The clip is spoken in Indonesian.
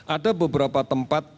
ada beberapa tempat